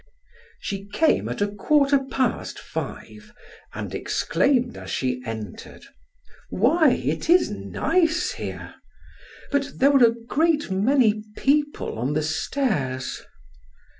She came at a quarter past five and exclaimed as she entered: "Why, it is nice here. But there were a great many people on the stairs."